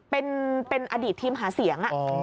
เป็นอดีตทีมหาเสียง